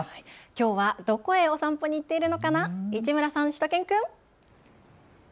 きょうはどこへお散歩に行っているのかな、市村さん、しゅと犬くん。